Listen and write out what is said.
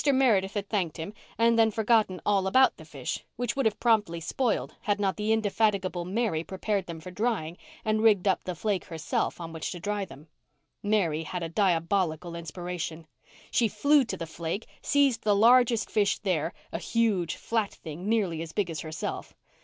Meredith had thanked him and then forgotten all about the fish, which would have promptly spoiled had not the indefatigable Mary prepared them for drying and rigged up the "flake" herself on which to dry them. Mary had a diabolical inspiration. She flew to the "flake" and seized the largest fish there—a huge, flat thing, nearly as big as herself.